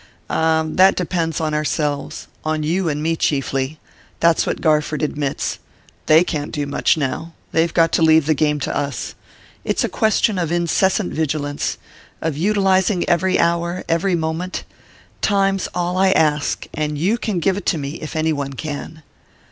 "Ah that depends on ourselves: on you and me chiefly. That's what Garford admits. They can't do much now they've got to leave the game to us. It's a question of incessant vigilance...of utilizing every hour, every moment.... Time's all I ask, and you can give it to me, if any one can!"